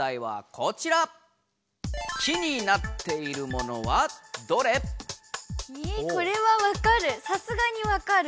これはわかる。